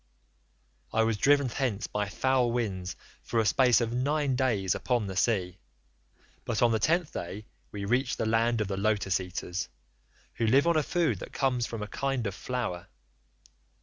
"I was driven thence by foul winds for a space of nine days upon the sea, but on the tenth day we reached the land of the Lotus eaters, who live on a food that comes from a kind of flower.